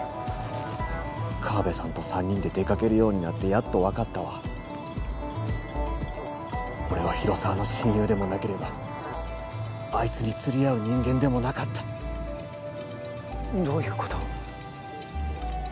カワベさんと三人で出かけるようになってやっと分かったわ俺は広沢の親友でもなければあいつに釣り合う人間でもなかったどういうこと？